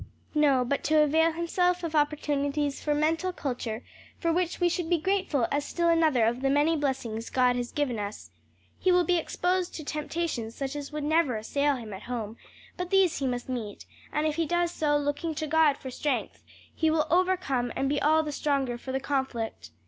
"No, but to avail himself of opportunities for mental culture for which we should be grateful as still another of the many blessings God has given us. He will be exposed to temptations such as would never assail him at home: but these he must meet, and if he does so looking to God for strength, he will overcome and be all the stronger for the conflict.